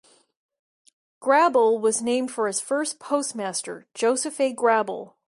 Grabill was named for its first postmaster, Joseph A. Grabill.